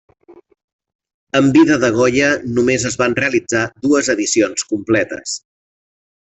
En vida de Goya només es van realitzar dues edicions completes.